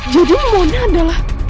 jadi mona adalah